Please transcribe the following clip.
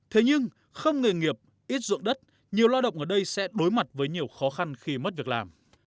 thế nhưng không nghề nghiệp ít ruộng đất nhiều lao động ở đây sẽ đối mặt với nhiều khó khăn khi mất việc làm